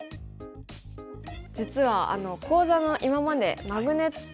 実は講座の今までマグネット